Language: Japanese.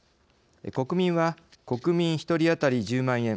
国民は、国民一人当たり１０万円